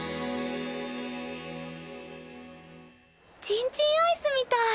チンチンアイスみたい。